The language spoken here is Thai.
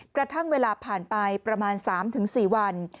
กระทั่งเวลาผ่านไปประมาณ๓๔วัน